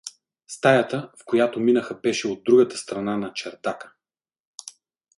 Стаята, в която минаха, беше от другата страна на чардака.